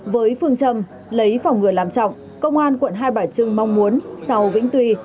với phương trầm lấy phòng ngừa làm trọng công an quận hai bảy trưng mong muốn sau vĩnh tùy